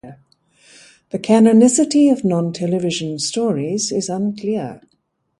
The canonicity of non-television stories is unclear.